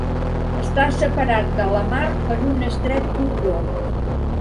Està separat de la mar per un estret cordó.